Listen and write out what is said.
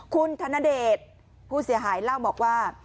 คุณธนเดชผู้เสียหายเล่าบอกว่า